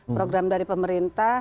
program dari pemerintah